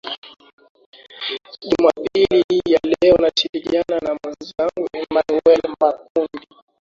jumapili hii ya leo nashirikiana na mwezangu emanuel makundi